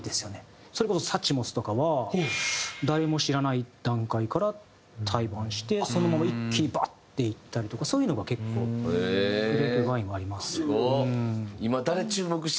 それこそＳｕｃｈｍｏｓとかは誰も知らない段階から対バンしてそのまま一気にバーッていったりとかそういうのが結構ＧＲＡＰＥＶＩＮＥはあります。